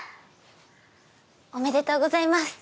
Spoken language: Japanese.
おめでとうございます。